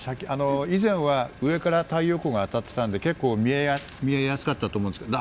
以前は上から太陽光が当たっていたので結構見えやすかったと思うんですけど。